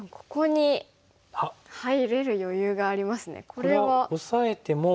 これはオサえても。